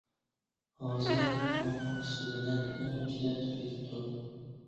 ھازىر چوڭ ئاپىسى بىلەن ئۈرۈمچىدە تۇرۇۋېتىپتۇ.